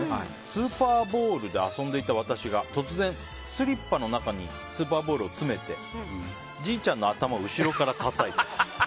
スーパーボールで遊んでいた私が突然、スリッパの中にスーパーボールを詰めてじいちゃんの頭を後ろからたたいた。